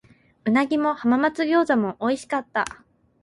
鰻も浜松餃子も美味しかった。